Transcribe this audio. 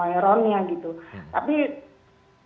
tapi terbentur dengan harga berbeda